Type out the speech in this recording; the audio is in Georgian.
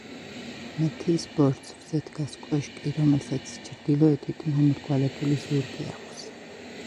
მთის ბორცვზე დგას კოშკი, რომელსაც ჩრდილოეთით მომრგვალებული ზურგი აქვს.